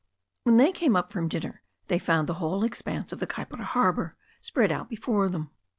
When they came up from dinner they found the whole ex panse of the Kaipara harbour spread out before them.